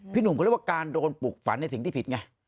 หนุ่มเขาเรียกว่าการโดนปลุกฝันในสิ่งที่ผิดไง